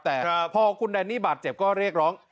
แต่พอคุณแดนนี่บาดเจ็บก็เรียกร้อง